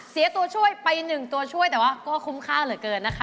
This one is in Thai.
ตัวช่วยไปหนึ่งตัวช่วยแต่ว่าก็คุ้มค่าเหลือเกินนะคะ